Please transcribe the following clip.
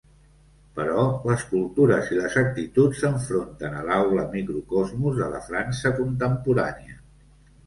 Però les cultures i les actituds s'enfronten a l'aula, microcosmos de la França contemporània.